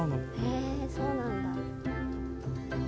へえそうなんだ。